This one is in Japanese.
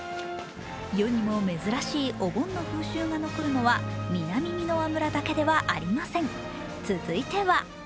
世にも珍しいお盆の風習が残るのは、南箕輪村だけではありません。